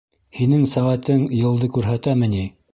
—Һинең сәғәтең йылды күрһәтәме ни?